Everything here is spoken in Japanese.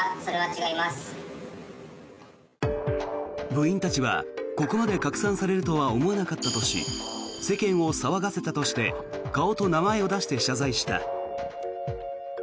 部員たちはここまで拡散されるとは思わなかったとし世間を騒がせたとして顔と名前を出して謝罪した。